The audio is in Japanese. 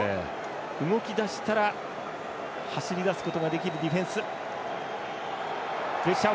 動き出したら走り出すことができるディフェンス。